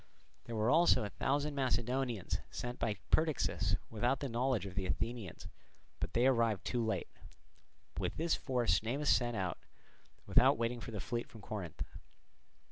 There were also a thousand Macedonians sent by Perdiccas without the knowledge of the Athenians, but they arrived too late. With this force Cnemus set out, without waiting for the fleet from Corinth.